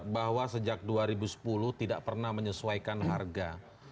bahwa sejak dua ribu sepuluh tidak pernah menyesuaikan harga